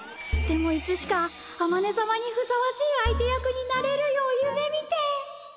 でもいつしかあまね様にふさわしい相手役になれるよう夢見て。